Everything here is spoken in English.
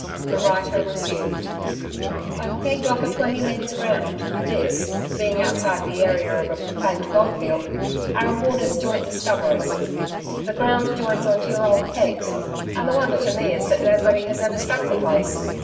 The writer resumed: 'I've pegged off a twenty men's ground, this being outside the area of a proclaimed goldfield our reward as joint discoverers. The ground joins on to your old pegs; and the wonder to me is that nobody has ever struck the place.